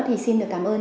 thì xin được cảm ơn